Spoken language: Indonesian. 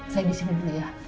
saya disini dulu ya